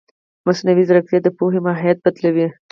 مصنوعي ځیرکتیا د پوهې ماهیت بدلوي.